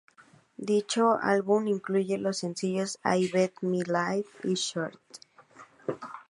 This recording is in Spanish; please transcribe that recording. Dicho álbum incluye los sencillos ""I Bet My Life"" y ""Shots"".